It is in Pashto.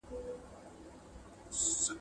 ښکاري کله وي په غم کي د مرغانو ..